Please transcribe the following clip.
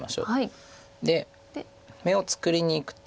で眼を作りにいくと。